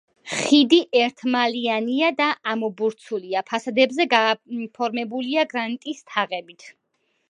ხიდი ერთმალიანია და ამობურცულია, ფასადებზე გაფორმებულია გრანიტის თაღებით.